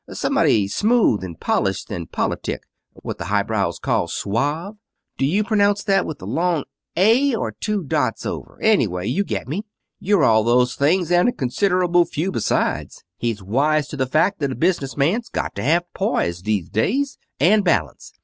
Somebody smooth, and polished, and politic, and what the highbrows call suave. Do you pronounce that with a long a, or two dots over? Anyway, you get me. You're all those things and considerable few besides. He's wise to the fact that a business man's got to have poise these days, and balance.